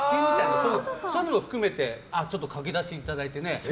そういうのも含めて書き出していただいて。